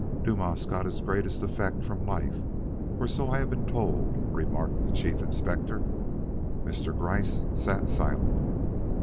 "Dumas got his greatest effects from life, or so I have been told," remarked the Chief Inspector. Mr. Gryce sat silent.